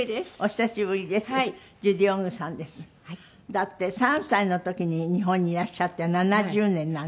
だって３歳の時に日本にいらっしゃって７０年になる。